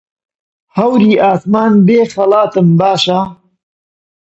هەوری ئاسمان بێ خەڵاتم باشە